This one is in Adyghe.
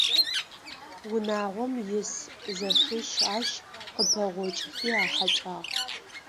Унагъом ис зэшищ ащ къыпэгъокӏыхи ахьэкӏагъ.